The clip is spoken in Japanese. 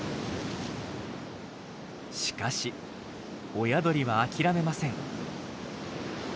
しかし親鳥は諦めません。